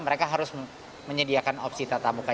mereka harus menyediakan opsi tatap muka